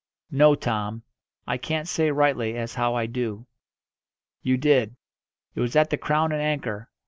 "No, Tom; I can't say rightly as how I do." "You did. It was at the 'Crown and Anchor.'